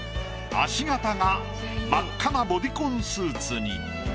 足形が真っ赤なボディコンスーツに。